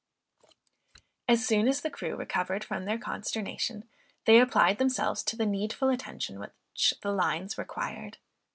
] As soon as the crew recovered from their consternation, they applied themselves to the needful attention which the lines required.